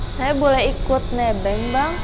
saya boleh ikut nebeng bang